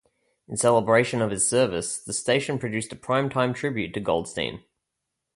In celebration of his service, the station produced a prime-time tribute to Goldstein.